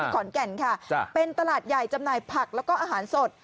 ขอนแก่นค่ะเป็นตลาดใหญ่จำหน่ายผักแล้วก็อาหารสด